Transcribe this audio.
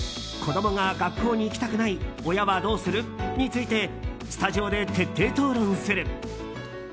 子供が学校に行きたくない親はどうする？についてスタジオで徹底討論する。